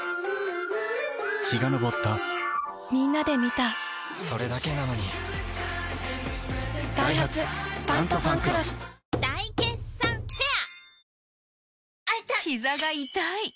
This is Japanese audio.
陽が昇ったみんなで観たそれだけなのにダイハツ「タントファンクロス」大決算フェア